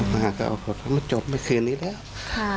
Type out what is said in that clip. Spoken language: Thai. มาก็เอากลัวเขาไม่จบไมค์คืนนี้แล้วค่า